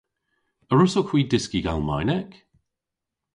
A wrussowgh hwi dyski Almaynek?